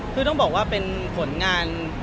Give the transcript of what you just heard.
คือต้องบอกว่าเป็นผลงาน